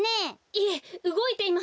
いえうごいています。